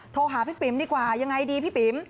โทรหาพี่ปิ๋มดีกว่ายังไงดีพี่ปิ๋ม